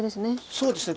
そうですね